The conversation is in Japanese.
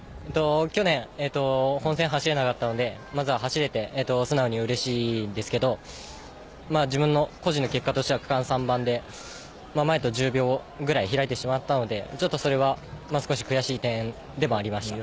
去年、本戦を走れなかったのでまずは走れて素直にうれしいんですが自分個人の結果としては区間３番で前と１０秒ぐらい開いてしまったのでそれは少し悔しい点でもありました。